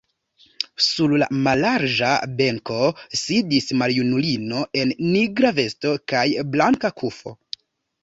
Sur la mallarĝa benko sidis maljunulino en nigra vesto kaj blanka kufo.